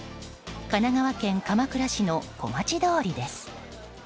神奈川県鎌倉市の小町通りです。